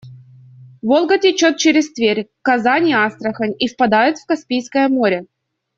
Волга течёт через Тверь, Казань и Астрахань и впадает в Каспийское море.